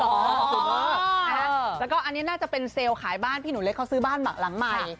แล้วก็อันนี้น่าจะเป็นเซลล์ขายบ้านพี่หนูเล็กเขาซื้อบ้านหมักหลังใหม่